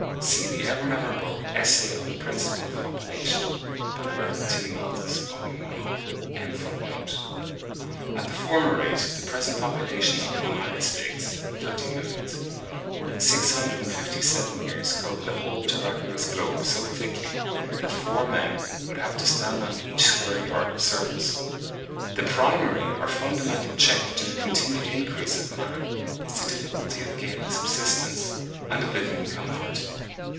See the ever memorable 'Essay on the Principle of Population,' by the Rev. T. Malthus, vol. i. 1826. pp. 6, 517.) At the former rate, the present population of the United States (thirty millions), would in 657 years cover the whole terraqueous globe so thickly, that four men would have to stand on each square yard of surface. The primary or fundamental check to the continued increase of man is the difficulty of gaining subsistence, and of living in comfort.